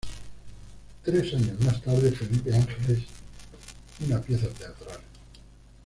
Tres años más tarde, "Felipe Ángeles", una pieza teatral.